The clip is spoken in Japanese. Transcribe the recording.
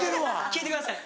聞いてください